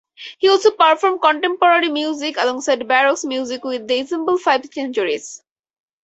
He also performed contemporary music alongside baroque music with the Ensemble Five Centuries.